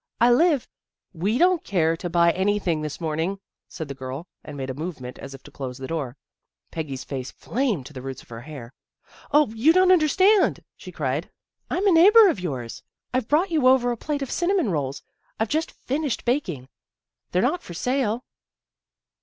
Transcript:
I live " We don't care to buy anything this morn ing," said the girl, and made a movement as if to close the door. Peggy's face flamed to the roots of her hair. " 0, you don't understand," she cried. " I'm 24 THE GIRLS OF FRIENDLY TERRACE a neighbor of yours. I've brought you over a plate of cinnamon rolls, I've just finished ba king. They're not for sale."